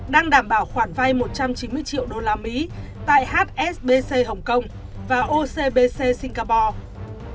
đang đảm bảo khoản vay một trăm chín mươi triệu đô la mỹ tại hsbc hồng kông và ocbc singapore